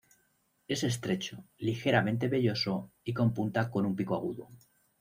Es estrecho, ligeramente velloso, y con punta con un pico agudo.